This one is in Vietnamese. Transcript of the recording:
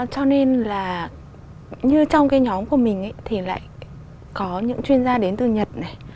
cho nên là như trong cái nhóm của mình thì lại có những chuyên gia đến từ nhật này